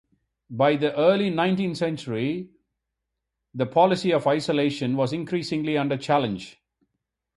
By the early nineteenth century, the policy of isolation was increasingly under challenge.